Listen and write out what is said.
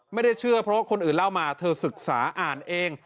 ไม่ได้เชื่อเพราะว่าคนอื่นเล่ามาเธอศึกษาอ่านเอง